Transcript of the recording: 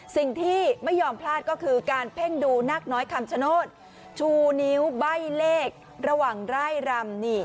สิ่งที่ไม่ยอมพลาดก็คือการเพ่งดูนาคน้อยคำชโนธชูนิ้วใบ้เลขระหว่างไร่รำ